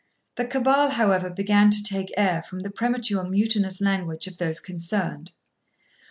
The cabal, however, began to take air, from the premature mutinous language of those concerned.